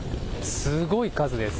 すごい数です。